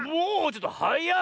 ちょっとはやっ！